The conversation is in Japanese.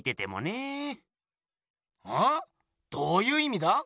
どういう意味だ？